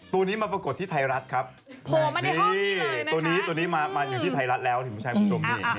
ตัวนี้มาปรากฏที่ไทยรัฐครับโหมาในห้องนี้เลยนะตัวนี้มาอยู่ที่ไทยรัฐแล้วถึงใช่คุณผู้ชม